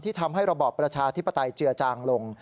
ทำให้ระบอบประชาธิปไตยเจือจางลง